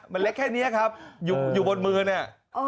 มันเล็กแค่นี้ครับอยู่บนมือเนี่ย